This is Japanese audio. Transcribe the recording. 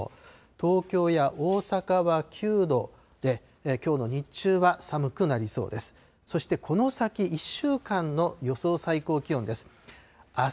東京や大阪は９度で、きょうの日中は寒くなりそうです。